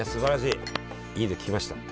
いいこと聞きました。